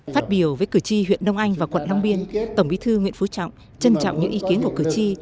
phát biểu với cử tri huyện đông anh và quận long biên tổng bí thư nguyễn phú trọng trân trọng những ý kiến của cử tri